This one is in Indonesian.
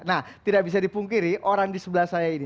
nah tidak bisa dipungkiri orang di sebelah saya ini